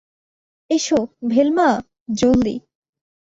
এসো, ভেলমা, জলদি।